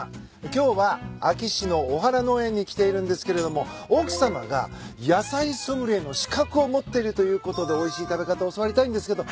今日は安芸市の尾原農園に来ているんですけれども奥さまが野菜ソムリエの資格を持っているということでおいしい食べ方教わりたいんですけど。